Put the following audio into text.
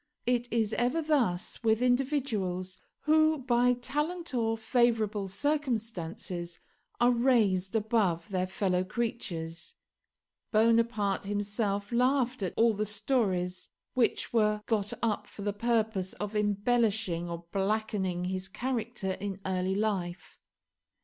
It is ever thus with individuals who by talent or favourable circumstances are raised above their fellow creatures. Bonaparte himself laughed at all the stories which were got up for the purpose of embellishing or blackening his character in early life.